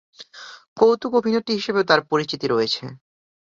কৌতুক অভিনেত্রী হিসেবেও তার পরিচিতি রয়েছে।